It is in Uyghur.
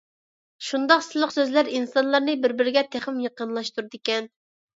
شۇنداق سىلىق سۆزلەر ئىنسانلارنى بىر-بىرىگە تېخىمۇ يېقىنلاشتۇرىدىكەن.